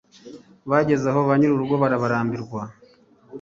bagezaho banyirurugo barabarambirwa